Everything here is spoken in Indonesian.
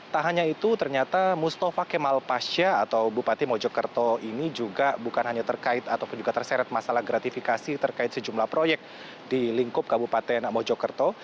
tak hanya itu ternyata mustafa kemal pasha atau bupati mojokerto ini juga bukan hanya terkait ataupun juga terseret masalah gratifikasi terkait sejumlah proyek di lingkup kabupaten mojokerto